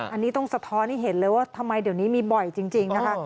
อันนี้ต้องสะท้อนให้เห็นเลยว่าทำไมเดี๋ยวนี้มีบ่อยจริงนะคะ